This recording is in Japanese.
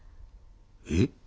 えっ？